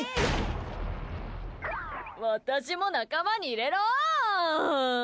私も仲間に入れろー！